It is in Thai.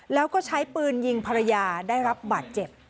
แล้วก็ใช้ปืนยิงภรรยาได้รับบาดเจ็บ